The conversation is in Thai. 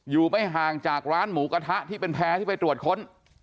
อยู่ไม่ห่างจากร้านหมูกระทะที่เป็นแพ้ที่ไปตรวจค้น